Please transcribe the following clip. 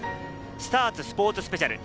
スターツスポーツスペシャル